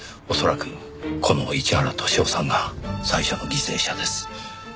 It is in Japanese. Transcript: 恐らくこの市原敏雄さんが最初の犠牲者です。